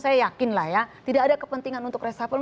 saya yakin lah ya tidak ada kepentingan untuk reshuffle